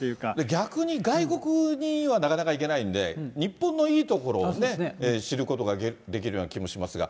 逆に外国にはなかなか行けないんで、日本のいい所をね、知ることができるような気もしますが。